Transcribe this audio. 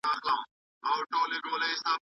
د جرمني په هوايي ډګر کې امنيت ډېر سخت و.